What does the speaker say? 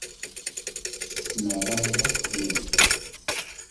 Mẹ em rất hiền